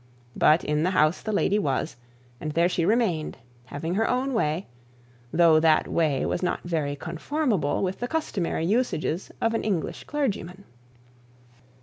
But in the house the lady was, and there she remained, having her own way, though that way was not very comfortable with the customary usages of an English clergyman.